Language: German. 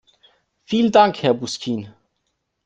Vielen Dank, Herr Busquin.